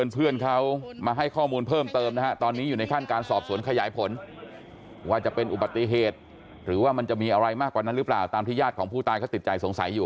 เป็นเด็กนิสัยดี